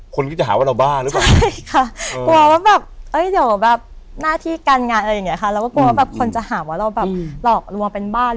คนก็จะหาว่าเราบ้ารึเปล่า